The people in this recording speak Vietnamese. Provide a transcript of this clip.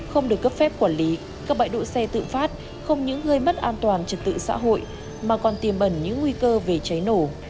không được cấp phép quản lý các bãi đỗ xe tự phát không những gây mất an toàn trật tự xã hội mà còn tiềm ẩn những nguy cơ về cháy nổ